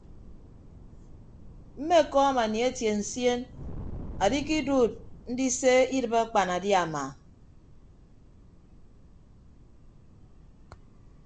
Mmekọọm anietie nsien andikiduud ndise idịb akpanadiama.